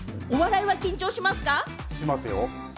しますよ。